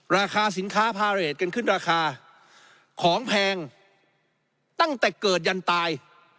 ราคาสินค้าพาเรทกันขึ้นราคาของแพงตั้งแต่เกิดยันตาย